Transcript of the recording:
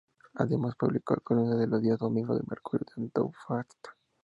Además, publicó columnas los días domingo en El Mercurio de Antofagasta.